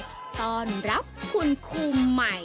กับตอนรับคุณครูใหม่